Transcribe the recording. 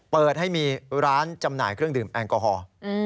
เปิดให้มีร้านจำหน่ายเครื่องดื่มแอลกอฮอล์